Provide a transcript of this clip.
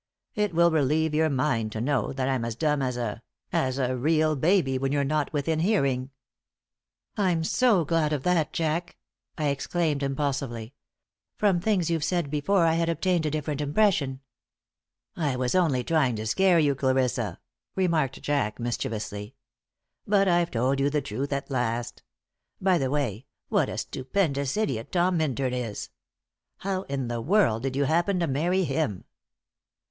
It will relieve your mind to know that I'm as dumb as a as a real baby when you're not within hearing." "I'm so glad of that, Jack," I exclaimed, impulsively. "From things you've said before, I had obtained a different impression." "I was only trying to scare you, Clarissa," remarked Jack, mischievously. "But I've told you the truth at last. By the way, what a stupendous idiot Tom Minturn is! How in the world did you happen to marry him?"